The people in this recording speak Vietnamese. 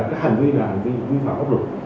các hành vi này là hành vi vi phẩm quốc lục